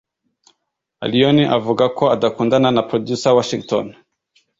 Allioni avuga ko adakundana na Producer Washington